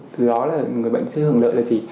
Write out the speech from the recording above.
từ đó là người bệnh sẽ hưởng lợi là gì